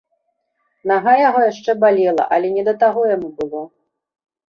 Нага яго яшчэ балела, але не да таго яму было.